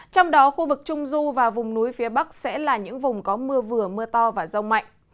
trong đó khu vực trung du và vùng núi phía bắc sẽ là những vùng có mưa vừa mưa to và rông mạnh